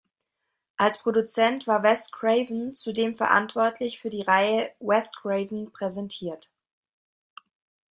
Als Produzent war Wes Craven zudem verantwortlich für die Reihe "Wes Craven präsentiert".